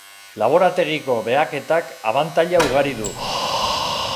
Laborategiko behaketak abantaila ugari du.